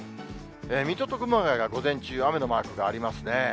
水戸と熊谷が午前中雨のマークがありますね。